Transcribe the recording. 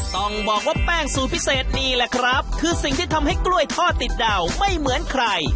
แต่จะผสมกันในสัดส่วนตามสูตรเฉพาะของทางร้าน